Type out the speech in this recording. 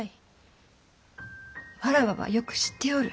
わらわはよく知っておる。